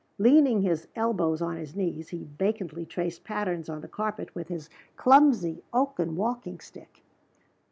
Leaning his elbows on his knees, he vacantly traced patterns on the carpet with his clumsy oaken walking stick.